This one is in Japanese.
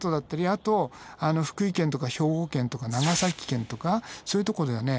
あと福井県とか兵庫県とか長崎県とかそういうとこではね